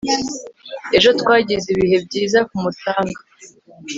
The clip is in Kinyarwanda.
ejo twagize ibihe byiza ku mucanga